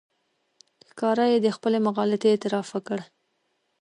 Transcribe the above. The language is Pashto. ښکاره یې د خپلې مغالطې اعتراف وکړ.